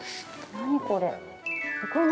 何これ？